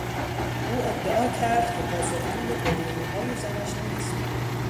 او ادعا کرد که پاسخگوی بدهیهای زنش نیست.